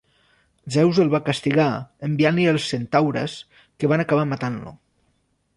Zeus el va castigar enviant-li els centaures que van acabar matant-lo.